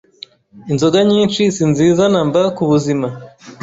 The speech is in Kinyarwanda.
inzoga nyinshi sinziza namba kubuzima